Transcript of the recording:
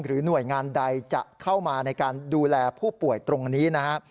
หรือหน่วยงานใดจะเข้ามาในการดูแลผู้ป่วยตรงนี้